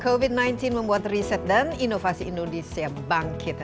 covid sembilan belas membuat riset dan inovasi indonesia bangkit